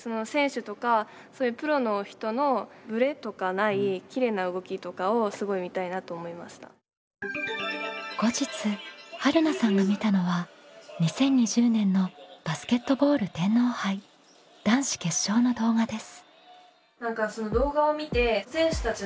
大きな気付きとしては後日はるなさんが見たのは２０２０年のバスケットボール天皇杯男子決勝の動画です。